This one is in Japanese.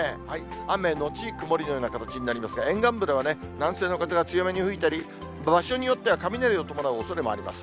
雨のち曇りのような形になりますが、沿岸部ではね、南西の風が強めに吹いたり、場所によっては雷を伴うおそれもあります。